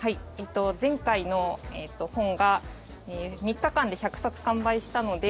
前回の本が３日間で１００冊完売したので。